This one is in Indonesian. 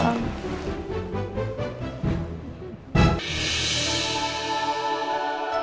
kamu benar nin